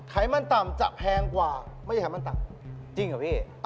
ไขมันต่ำจะแพงกว่าไม่ใช่ไขมันต่ำจริงเหรอพี่